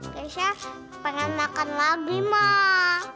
biasanya pengen makan lagi mah